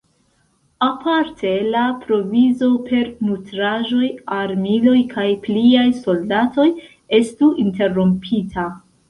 Aparte la provizo per nutraĵoj, armiloj kaj pliaj soldatoj estu interrompita.